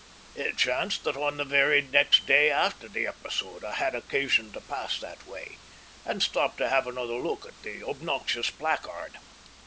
It chanced that on the very next day after the episode I had occasion to pass that way, and stopped to have another look at the obnoxious placard.